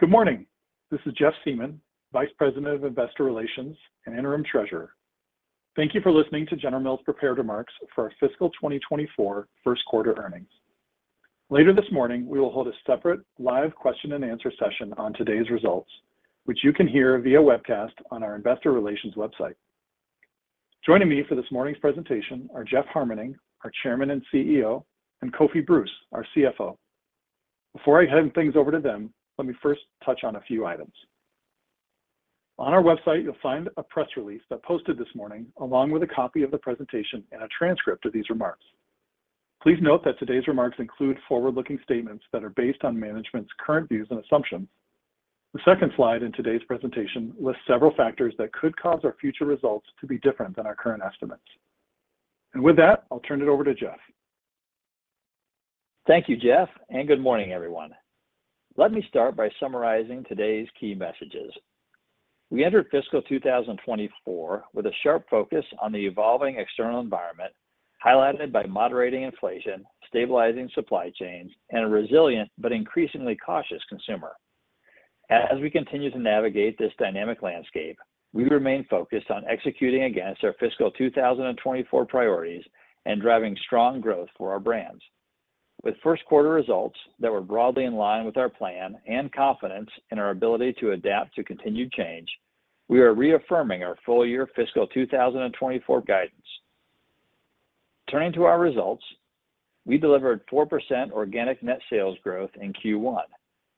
Good morning. This is Jeff Siemon, Vice President of Investor Relations and Interim Treasurer. Thank you for listening to General Mills' prepared remarks for our fiscal 2024 first quarter earnings. Later this morning, we will hold a separate live question-and-answer session on today's results, which you can hear via webcast on our investor relations website. Joining me for this morning's presentation are Jeff Harmening, our Chairman and CEO, and Kofi Bruce, our CFO. Before I hand things over to them, let me first touch on a few items. On our website, you'll find a press release that posted this morning, along with a copy of the presentation and a transcript of these remarks. Please note that today's remarks include forward-looking statements that are based on management's current views and assumptions. The second slide in today's presentation lists several factors that could cause our future results to be different than our current estimates. With that, I'll turn it over to Jeff. Thank you, Jeff, and good morning, everyone. Let me start by summarizing today's key messages. We entered fiscal 2024 with a sharp focus on the evolving external environment, highlighted by moderating inflation, stabilizing supply chains, and a resilient but increasingly cautious consumer. As we continue to navigate this dynamic landscape, we remain focused on executing against our fiscal 2024 priorities and driving strong growth for our brands. With first quarter results that were broadly in line with our plan and confidence in our ability to adapt to continued change, we are reaffirming our full-year fiscal 2024 guidance. Turning to our results, we delivered 4% organic net sales growth in Q1,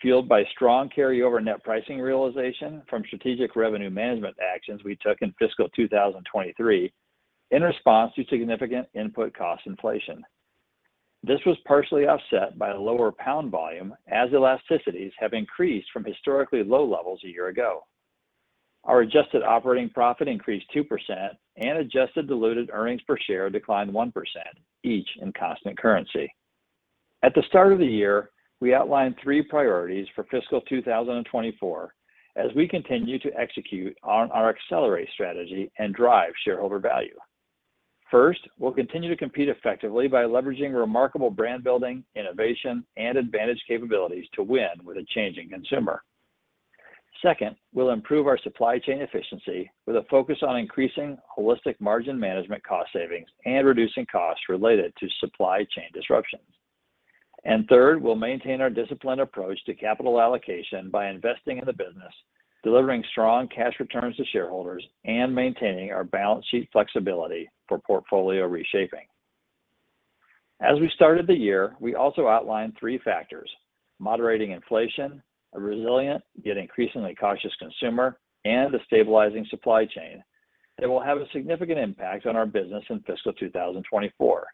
fueled by strong carryover net pricing realization from Strategic Revenue Management actions we took in fiscal 2023, in response to significant input cost inflation. This was partially offset by lower pound volume, as elasticities have increased from historically low levels a year ago. Our adjusted operating profit increased 2%, and adjusted diluted earnings per share declined 1%, each in constant currency. At the start of the year, we outlined three priorities for fiscal 2024 as we continue to execute on our Accelerate strategy and drive shareholder value. First, we'll continue to compete effectively by leveraging remarkable brand building, innovation, and advantaged capabilities to win with a changing consumer. Second, we'll improve our supply chain efficiency with a focus on increasing Holistic Margin Management cost savings and reducing costs related to supply chain disruptions. And third, we'll maintain our disciplined approach to capital allocation by investing in the business, delivering strong cash returns to shareholders, and maintaining our balance sheet flexibility for portfolio reshaping. As we started the year, we also outlined three factors: moderating inflation, a resilient yet increasingly cautious consumer, and a stabilizing supply chain, that will have a significant impact on our business in fiscal 2024.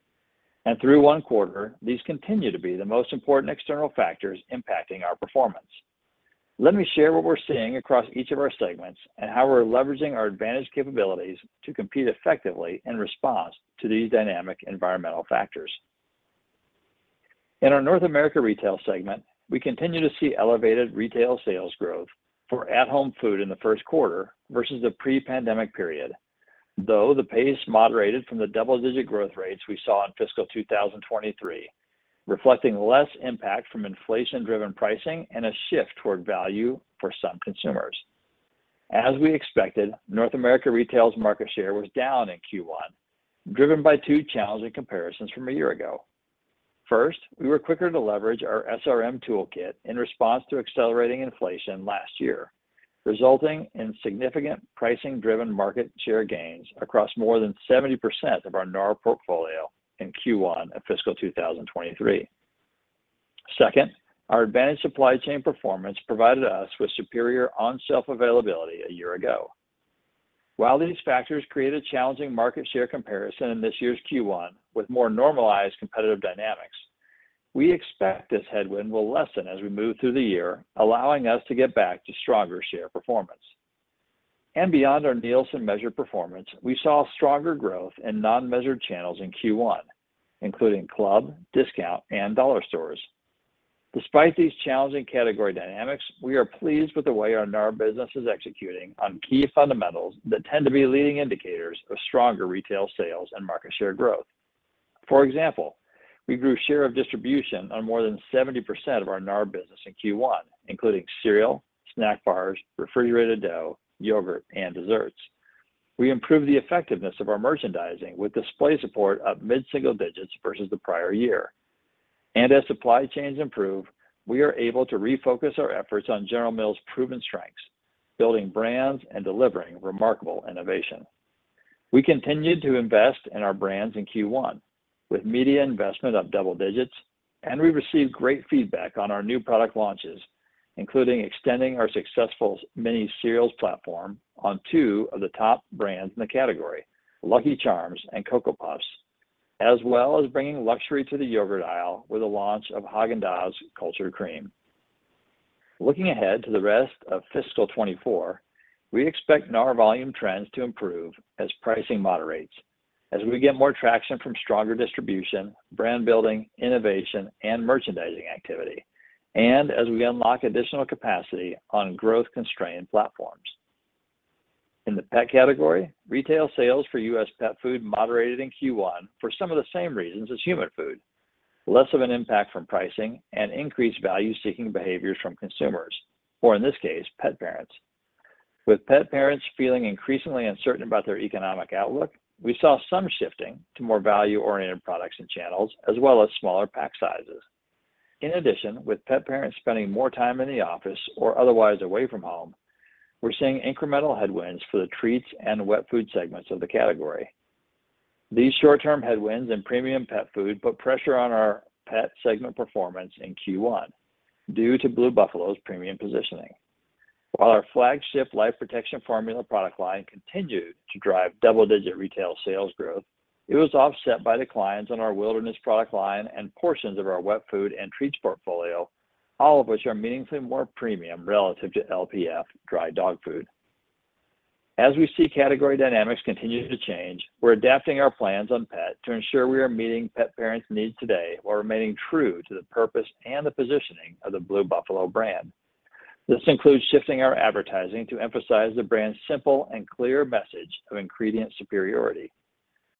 Through one quarter, these continue to be the most important external factors impacting our performance. Let me share what we're seeing across each of our segments and how we're leveraging our advantaged capabilities to compete effectively in response to these dynamic environmental factors. In our North America Retail segment, we continue to see elevated retail sales growth for at-home food in the first quarter versus the pre-pandemic period, though the pace moderated from the double-digit growth rates we saw in fiscal 2023, reflecting less impact from inflation-driven pricing and a shift toward value for some consumers. As we expected, North America Retail's market share was down in Q1, driven by two challenging comparisons from a year ago. First, we were quicker to leverage our SRM toolkit in response to accelerating inflation last year, resulting in significant pricing-driven market share gains across more than 70% of our NAR portfolio in Q1 of fiscal 2023. Second, our advantaged supply chain performance provided us with superior on-shelf availability a year ago. While these factors create a challenging market share comparison in this year's Q1 with more normalized competitive dynamics, we expect this headwind will lessen as we move through the year, allowing us to get back to stronger share performance. Beyond our Nielsen measured performance, we saw stronger growth in non-measured channels in Q1, including club, discount, and dollar stores. Despite these challenging category dynamics, we are pleased with the way our NAR business is executing on key fundamentals that tend to be leading indicators of stronger retail sales and market share growth. For example, we grew share of distribution on more than 70% of our NAR business in Q1, including cereal, snack bars, refrigerated dough, yogurt, and desserts. We improved the effectiveness of our merchandising with display support of mid-single digits versus the prior year. As supply chains improve, we are able to refocus our efforts on General Mills' proven strengths, building brands and delivering remarkable innovation. We continued to invest in our brands in Q1, with media investment up double digits, and we received great feedback on our new product launches, including extending our successful mini cereals platform on two of the top brands in the category, Lucky Charms and Cocoa Puffs, as well as bringing luxury to the yogurt aisle with the launch of Häagen-Dazs Cultured Cream. Looking ahead to the rest of fiscal 2024, we expect NAR volume trends to improve as pricing moderates, as we get more traction from stronger distribution, brand building, innovation, and merchandising activity, and as we unlock additional capacity on growth-constrained platforms. In the pet category, retail sales for U.S. pet food moderated in Q1 for some of the same reasons as human food. Less of an impact from pricing and increased value-seeking behaviors from consumers, or in this case, pet parents. With pet parents feeling increasingly uncertain about their economic outlook, we saw some shifting to more value-oriented products and channels, as well as smaller pack sizes. In addition, with pet parents spending more time in the office or otherwise away from home, we're seeing incremental headwinds for the treats and wet food segments of the category. These short-term headwinds in premium pet food put pressure on our Pet segment performance in Q1 due to Blue Buffalo's premium positioning. While our flagship Life Protection Formula product line continued to drive double-digit retail sales growth, it was offset by declines on our Wilderness product line and portions of our wet food and treats portfolio, all of which are meaningfully more premium relative to LPF dry dog food. As we see category dynamics continuing to change, we're adapting our plans on pet to ensure we are meeting pet parents' needs today, while remaining true to the purpose and the positioning of the Blue Buffalo brand. This includes shifting our advertising to emphasize the brand's simple and clear message of ingredient superiority.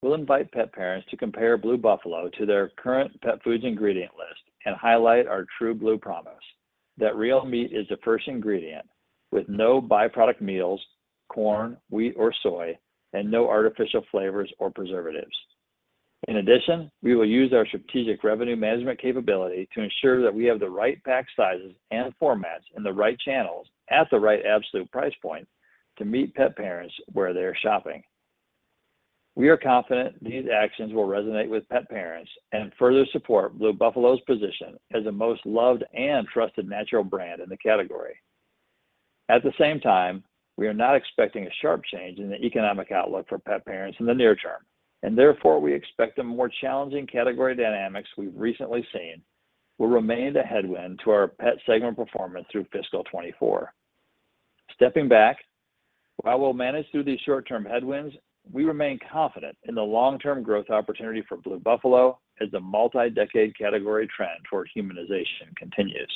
We'll invite pet parents to compare Blue Buffalo to their current pet food's ingredient list and highlight our True Blue promise, that real meat is the first ingredient, with no by-product meals, corn, wheat, or soy, and no artificial flavors or preservatives. In addition, we will use our Strategic Revenue Management capability to ensure that we have the right pack sizes and formats in the right channels at the right absolute price point to meet pet parents where they're shopping. We are confident these actions will resonate with pet parents and further support Blue Buffalo's position as the most loved and trusted natural brand in the category. At the same time, we are not expecting a sharp change in the economic outlook for pet parents in the near term, and therefore, we expect the more challenging category dynamics we've recently seen will remain a headwind to our Pet segment performance through fiscal 2024. Stepping back, while we'll manage through these short-term headwinds, we remain confident in the long-term growth opportunity for Blue Buffalo as the multi-decade category trend toward humanization continues.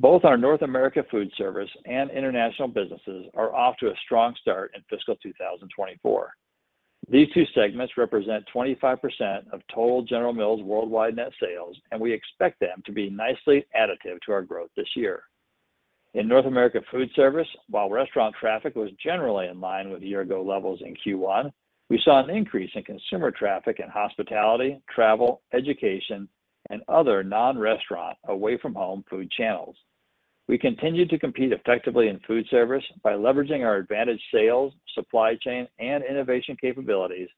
Both our North America Foodservice and International businesses are off to a strong start in fiscal 2024. These two segments represent 25% of total General Mills worldwide net sales, and we expect them to be nicely additive to our growth this year. In North America Foodservice, while restaurant traffic was generally in line with year-ago levels in Q1, we saw an increase in consumer traffic in hospitality, travel, education, and other non-restaurant, away-from-home food channels. We continued to compete effectively in Foodservice by leveraging our advantaged sales, supply chain, and innovation capabilities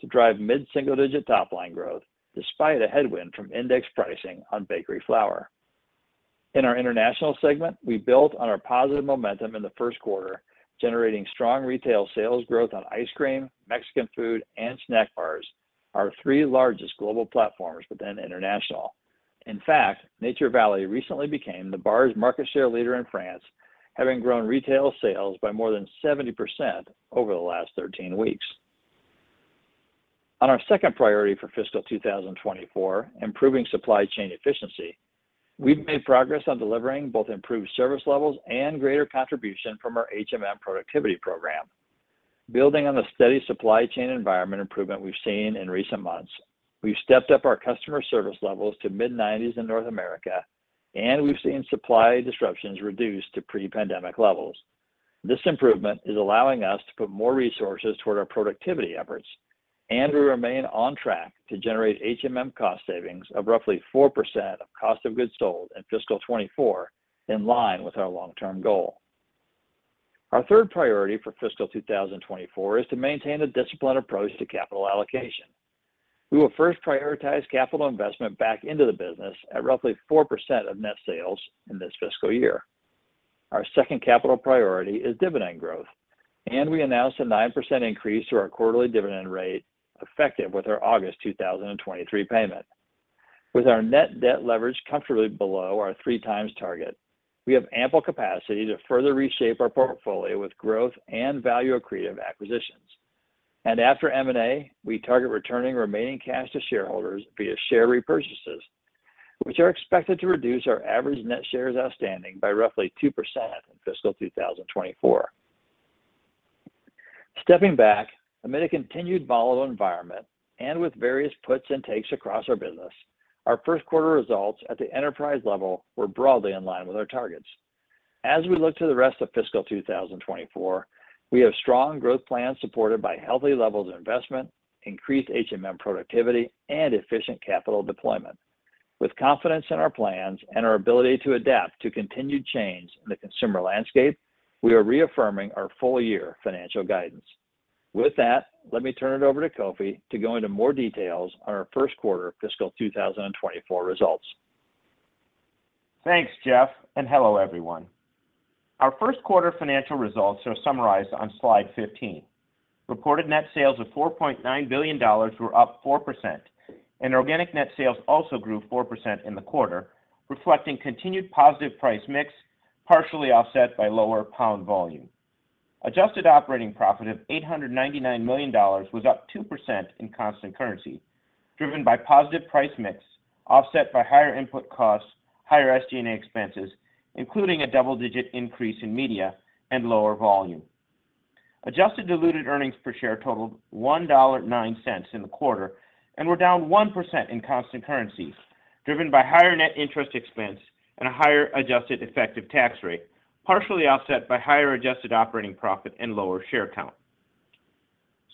to drive mid-single-digit top-line growth, despite a headwind from index pricing on bakery flour. In our International segment, we built on our positive momentum in the first quarter, generating strong retail sales growth on ice cream, Mexican food, and snack bars, our three largest global platforms within International. In fact, Nature Valley recently became the bars market share leader in France, having grown retail sales by more than 70% over the last 13 weeks. On our second priority for fiscal 2024, improving supply chain efficiency, we've made progress on delivering both improved service levels and greater contribution from our HMM productivity program. Building on the steady supply chain environment improvement we've seen in recent months, we've stepped up our customer service levels to mid-90s in North America, and we've seen supply disruptions reduced to pre-pandemic levels. This improvement is allowing us to put more resources toward our productivity efforts, and we remain on track to generate HMM cost savings of roughly 4% of cost of goods sold in fiscal 2024, in line with our long-term goal. Our third priority for fiscal 2024 is to maintain a disciplined approach to capital allocation. We will first prioritize capital investment back into the business at roughly 4% of net sales in this fiscal year. Our second capital priority is dividend growth, and we announced a 9% increase to our quarterly dividend rate, effective with our August 2023 payment. With our net debt leverage comfortably below our 3x target, we have ample capacity to further reshape our portfolio with growth and value-accretive acquisitions. And after M&A, we target returning remaining cash to shareholders via share repurchases, which are expected to reduce our average net shares outstanding by roughly 2% in fiscal 2024. Stepping back, amid a continued volatile environment and with various puts and takes across our business, our first quarter results at the enterprise level were broadly in line with our targets. As we look to the rest of fiscal 2024, we have strong growth plans supported by healthy levels of investment, increased HMM productivity, and efficient capital deployment. With confidence in our plans and our ability to adapt to continued change in the consumer landscape, we are reaffirming our full-year financial guidance. With that, let me turn it over to Kofi to go into more details on our first quarter fiscal 2024 results. Thanks, Jeff, and hello, everyone. Our first quarter financial results are summarized on slide 15. Reported net sales of $4.9 billion were up 4%, and organic net sales also grew 4% in the quarter, reflecting continued positive price mix, partially offset by lower pound volume. Adjusted operating profit of $899 million was up 2% in constant currency, driven by positive price mix, offset by higher input costs, higher SG&A expenses, including a double-digit increase in media and lower volume. Adjusted diluted earnings per share totaled $1.09 in the quarter, and were down 1% in constant currency, driven by higher net interest expense and a higher adjusted effective tax rate, partially offset by higher adjusted operating profit and lower share count.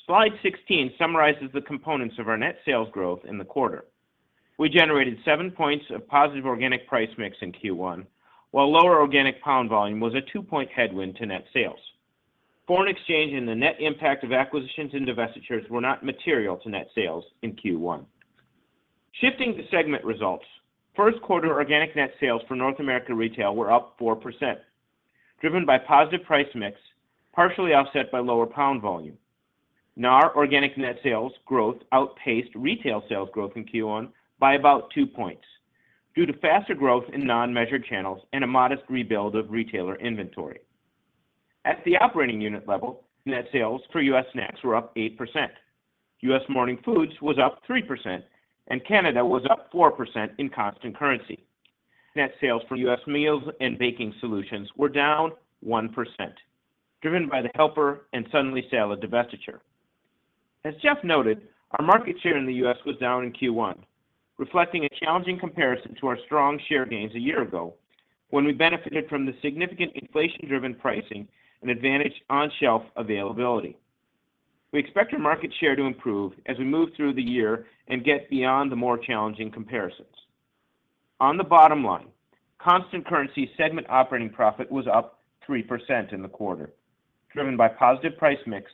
Slide 16 summarizes the components of our net sales growth in the quarter. We generated seven points of positive organic price mix in Q1, while lower organic pound volume was a two-point headwind to net sales. Foreign exchange and the net impact of acquisitions and divestitures were not material to net sales in Q1. Shifting to segment results, first quarter organic net sales for North America Retail were up 4%, driven by positive price mix, partially offset by lower pound volume. NAR organic net sales growth outpaced retail sales growth in Q1 by about two points, due to faster growth in non-measured channels and a modest rebuild of retailer inventory. At the operating unit level, net sales for U.S. Snacks were up 8%. U.S. Morning Foods was up 3%, and Canada was up 4% in constant currency. Net sales for U.S. Meals & Baking Solutions were down 1%, driven by the Helper and Suddenly Salad divestiture. As Jeff noted, our market share in the U.S. was down in Q1, reflecting a challenging comparison to our strong share gains a year ago, when we benefited from the significant inflation-driven pricing and advantaged on-shelf availability. We expect our market share to improve as we move through the year and get beyond the more challenging comparisons. On the bottom line, constant currency segment operating profit was up 3% in the quarter, driven by positive price mix,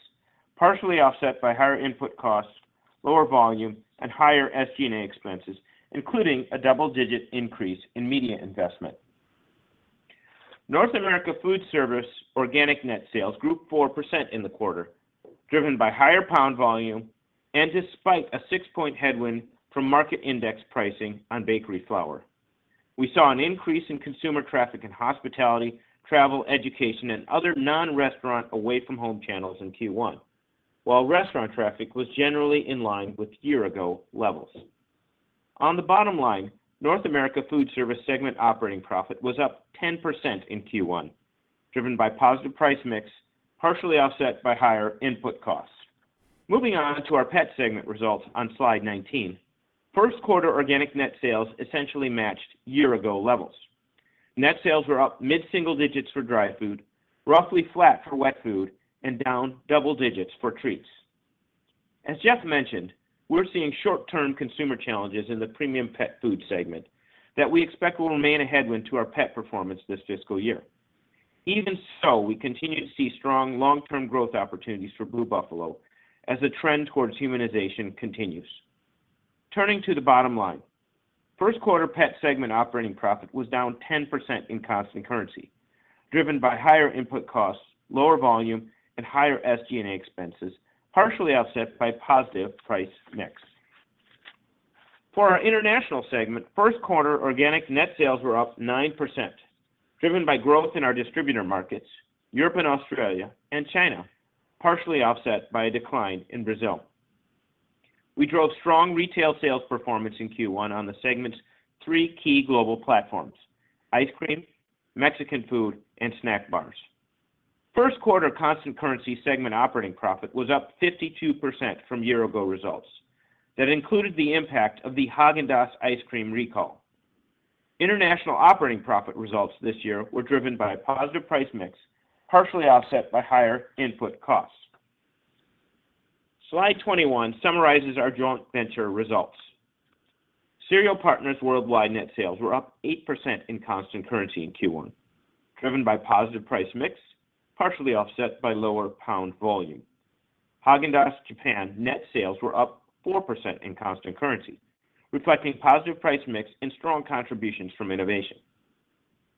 partially offset by higher input costs, lower volume, and higher SG&A expenses, including a double-digit increase in media investment. North America Foodservice organic net sales grew 4% in the quarter, driven by higher pound volume and despite a six-point headwind from market index pricing on bakery flour. We saw an increase in consumer traffic in hospitality, travel, education, and other non-restaurant away-from-home channels in Q1, while restaurant traffic was generally in line with year-ago levels. On the bottom line, North America Foodservice segment operating profit was up 10% in Q1, driven by positive price mix, partially offset by higher input costs. Moving on to our Pet segment results on slide 19. First quarter organic net sales essentially matched year-ago levels. Net sales were up mid-single digits for dry food, roughly flat for wet food, and down double digits for treats. As Jeff mentioned, we're seeing short-term consumer challenges in the premium pet food segment that we expect will remain a headwind to our pet performance this fiscal year. Even so, we continue to see strong long-term growth opportunities for Blue Buffalo as the trend towards humanization continues. Turning to the bottom line, first quarter Pet segment operating profit was down 10% in constant currency, driven by higher input costs, lower volume, and higher SG&A expenses, partially offset by positive price mix. For our International segment, first quarter organic net sales were up 9%, driven by growth in our distributor markets, Europe and Australia, and China, partially offset by a decline in Brazil. We drove strong retail sales performance in Q1 on the segment's three key global platforms: ice cream, Mexican food, and snack bars. First quarter constant currency segment operating profit was up 52% from year-ago results. That included the impact of the Häagen-Dazs ice cream recall. International operating profit results this year were driven by positive price mix, partially offset by higher input costs. Slide 21 summarizes our joint venture results. Cereal Partners Worldwide net sales were up 8% in constant currency in Q1, driven by positive price mix, partially offset by lower pound volume. Häagen-Dazs Japan net sales were up 4% in constant currency, reflecting positive price mix and strong contributions from innovation.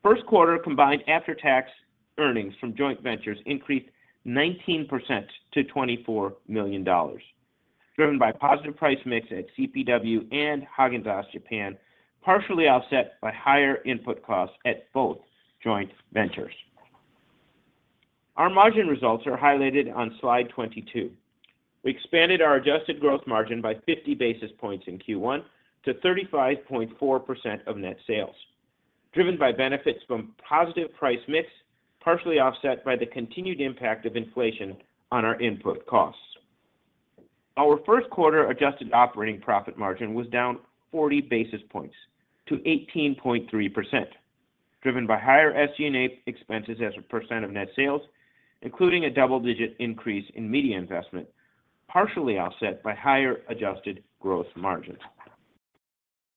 First quarter combined after-tax earnings from joint ventures increased 19% to $24 million, driven by positive price mix at CPW and Häagen-Dazs Japan, partially offset by higher input costs at both joint ventures. Our margin results are highlighted on slide 22. We expanded our adjusted gross margin by 50 basis points in Q1 to 35.4% of net sales, driven by benefits from positive price mix, partially offset by the continued impact of inflation on our input costs. Our first quarter adjusted operating profit margin was down 40 basis points to 18.3%, driven by higher SG&A expenses as a percent of net sales, including a double-digit increase in media investment, partially offset by higher adjusted gross margins.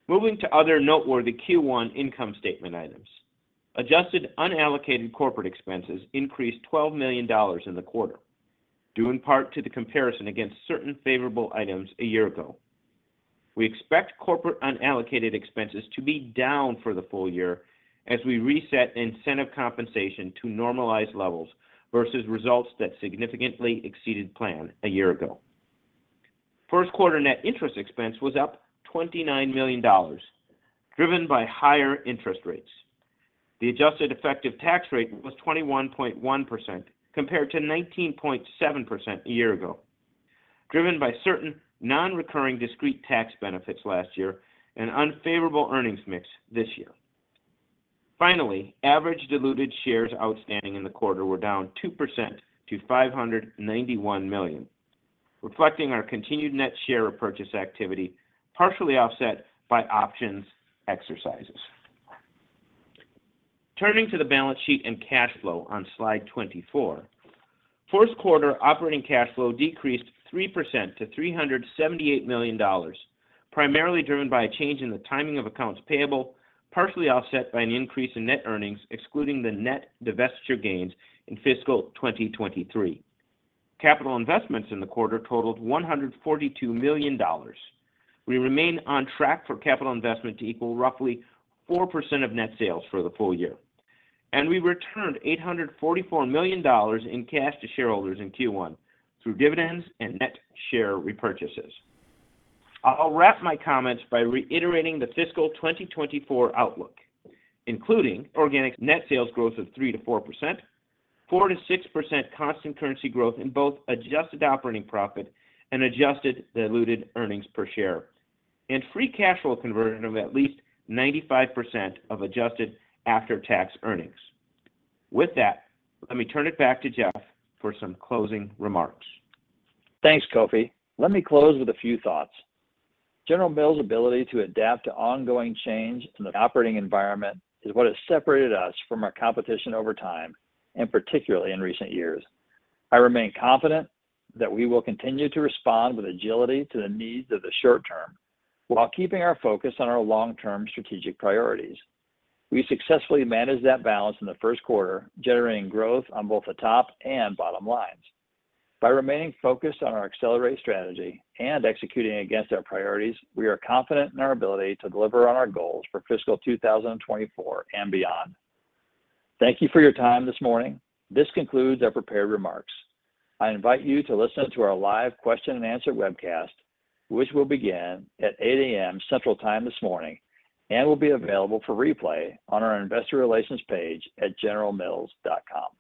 Moving to other noteworthy Q1 income statement items. Adjusted unallocated corporate expenses increased $12 million in the quarter, due in part to the comparison against certain favorable items a year ago. We expect corporate unallocated expenses to be down for the full year as we reset incentive compensation to normalized levels versus results that significantly exceeded plan a year ago. First quarter net interest expense was up $29 million, driven by higher interest rates. The adjusted effective tax rate was 21.1%, compared to 19.7% a year ago, driven by certain non-recurring discrete tax benefits last year and unfavorable earnings mix this year. Finally, average diluted shares outstanding in the quarter were down 2% to 591 million, reflecting our continued net share repurchase activity, partially offset by options exercises. Turning to the balance sheet and cash flow on slide 24. First quarter operating cash flow decreased 3% to $378 million, primarily driven by a change in the timing of accounts payable, partially offset by an increase in net earnings, excluding the net divestiture gains in fiscal 2023. Capital investments in the quarter totaled $142 million. We remain on track for capital investment to equal roughly 4% of net sales for the full year, and we returned $844 million in cash to shareholders in Q1 through dividends and net share repurchases. I'll wrap my comments by reiterating the fiscal 2024 outlook, including organic net sales growth of 3%-4%, 4%-6% constant currency growth in both adjusted operating profit and adjusted diluted earnings per share, and free cash flow conversion of at least 95% of adjusted after-tax earnings. With that, let me turn it back to Jeff for some closing remarks. Thanks, Kofi. Let me close with a few thoughts. General Mills' ability to adapt to ongoing change in the operating environment is what has separated us from our competition over time, and particularly in recent years. I remain confident that we will continue to respond with agility to the needs of the short term, while keeping our focus on our long-term strategic priorities. We successfully managed that balance in the first quarter, generating growth on both the top and bottom lines. By remaining focused on our Accelerate strategy and executing against our priorities, we are confident in our ability to deliver on our goals for fiscal 2024 and beyond. Thank you for your time this morning. This concludes our prepared remarks. I invite you to listen to our live question and answer webcast, which will begin at 8:00 A.M. Central Time this morning and will be available for replay on our investor relations page at generalmills.com.